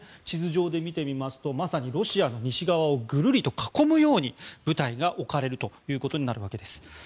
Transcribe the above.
地図上で見てみますとまさにロシアの西側をぐるりと囲むように部隊が置かれるということになるわけです。